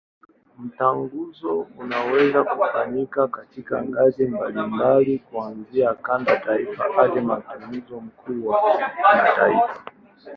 Mtaguso unaweza kufanyika katika ngazi mbalimbali, kuanzia kanda, taifa hadi Mtaguso mkuu wa kimataifa.